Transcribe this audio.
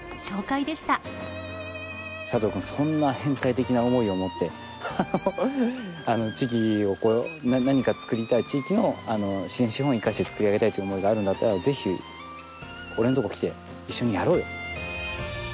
佐藤君そんな変態的な思いをもって地域をこう何かつくりたい地域の自然資本を生かしてつくり上げたいという思いがあるんだったらぜひ俺のところに来て一緒にやろうよ。